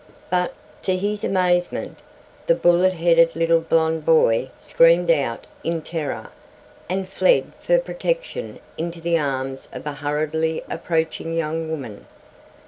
But, to his amazement, the bullet headed little blond boy screamed out in terror, and fled for protection into the arms of a hurriedly approaching young woman.